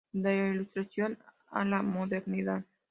De la Ilustración a la Modernidad".